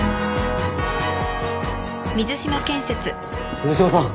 水島さん。